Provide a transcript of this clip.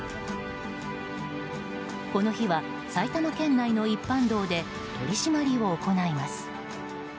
この日は、埼玉県内の一般道で取り締まりを行います。